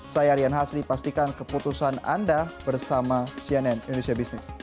saya rian hasri pastikan keputusan anda bersama cnn indonesia business